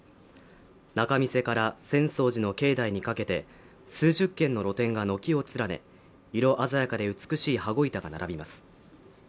仲見世から浅草寺の境内にかけて数十軒の露店が軒を連ね色鮮やかで美しい羽子板が並びます